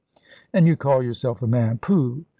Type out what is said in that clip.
"And you call yourself a man pooh!